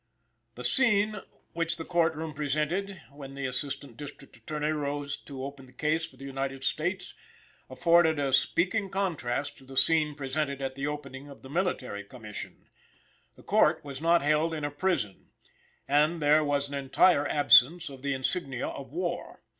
The scene which the court room presented, when the Assistant District Attorney arose to open the case for the United States, afforded a speaking contrast to the scene presented at the opening of the Military Commission. The Court was not held in a prison, and there was an entire absence of the insignia of war.